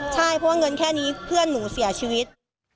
ใช่เพราะว่าเงินแค่นี้เพื่อนหนูเสียชีวิต